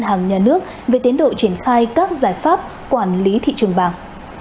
hàng nhà nước về tiến độ triển khai các giải pháp quản lý thị trường vàng